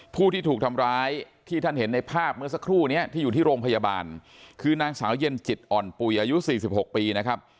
ผู้ที่ถูกทำร้ายที่ท่านเห็นในภาพเมื่อสักครู่นี้ที่อยู่ที่โรงพยาบาลคือนางสาวเย็นจิตอ่อนปุ๋ยอายุ๔๖ปีนะครับ